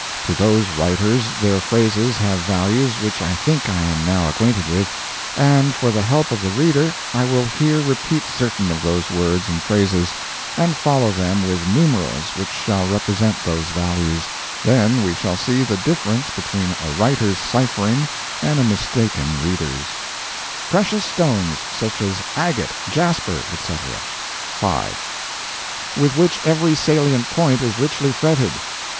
To those writers their phrases have values which I think I am now acquainted with; and for the help of the reader I will here repeat certain of those words and phrases, and follow them with numerals which shall represent those values then we shall see the difference between a writer's ciphering and a mistaken reader's Precious stones, such as agate, jasper, etc. 5. With which every salient point is richly fretted 5.